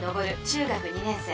中学２年生。